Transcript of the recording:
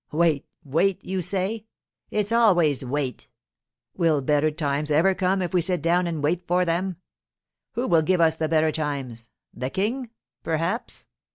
Wait, wait, you say. It's always wait. Will better times ever come if we sit down and wait for them? Who will give us the better times? The King, perhaps?